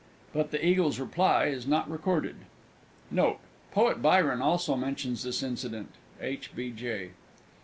But the Eagle's reply is not recorded. Note. Poet Byron also mentions this incident. H. B. J.